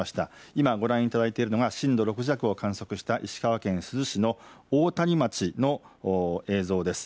今、ご覧いただいているのが震度６弱を観測した石川県珠洲市の大谷町の映像です。